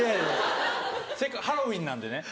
せっかくハロウィーンなんでね。